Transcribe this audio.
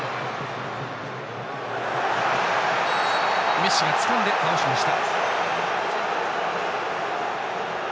メッシがつかんで倒しました。